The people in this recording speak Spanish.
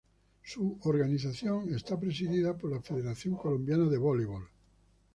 Su organización es presidida por la Federación Colombiana de Voleibol.